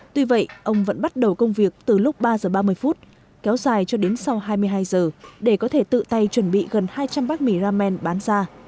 tuy vậy ông vẫn bắt đầu công việc từ lúc ba giờ ba mươi phút kéo dài cho đến sau hai mươi hai giờ để có thể tự tay chuẩn bị gần hai trăm linh bát mì ramen bán ra